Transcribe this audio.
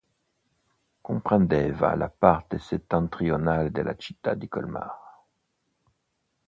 Comprendeva la parte settentrionale della città di Colmar.